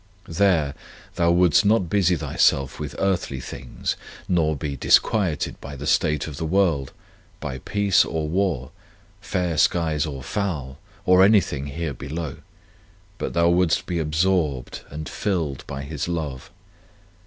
There thou wouldst not busy thyself with earthly things, nor be disquieted by the state of the world, by peace or war, fair skies or foul, or anything here below. But thou wouldst be absorbed and rilled by His love.